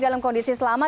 dalam kondisi selama